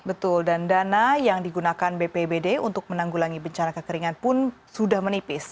betul dan dana yang digunakan bpbd untuk menanggulangi bencana kekeringan pun sudah menipis